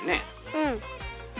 うん。